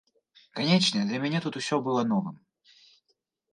Канечне, для мяне тут усё было новым.